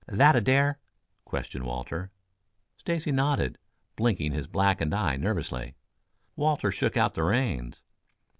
"That a dare?" questioned Walter. Stacy nodded, blinking his blackened eye nervously. Walter shook out the reins.